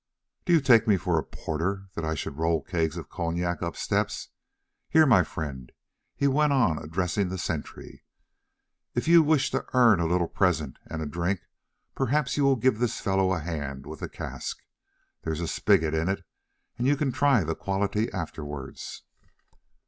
"Do you take me for a porter that I should roll kegs of cognac up steps? Here, my friend," he went on addressing the sentry, "if you wish to earn a little present and a drink, perhaps you will give this fellow a hand with the cask. There is a spigot in it, and you can try the quality afterwards."